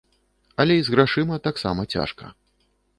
Але і з грашыма таксама цяжка.